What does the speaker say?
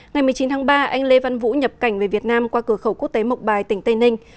ngày một mươi chín tháng ba anh lê văn vũ nhập cảnh về việt nam qua cửa khẩu quốc tế mộc bài tỉnh tây ninh